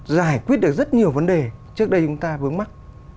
giải quyết được rất nhiều vấn đề trước đây chúng ta vướng mắt